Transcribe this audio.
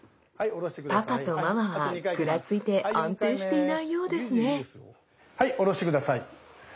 パパとママはぐらついて安定していないようですねはい下ろして下さい。